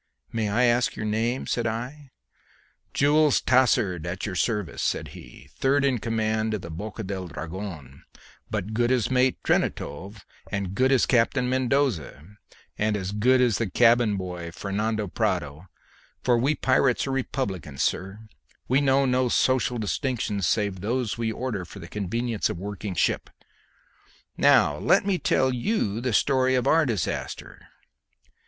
"May I ask your name?" said I. "Jules Tassard, at your service," said he, "third in command of the Boca del Dragon, but good as Mate Trentanove, and good as Captain Mendoza, and good as the cabin boy Fernando Prado; for we pirates are republicans, sir, we know no social distinctions save those we order for the convenience of working ship. Now let me tell you the story of our disaster.